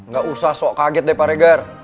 gak usah sok kaget deh pak reger